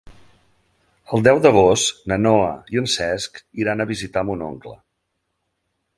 El deu d'agost na Noa i en Cesc iran a visitar mon oncle.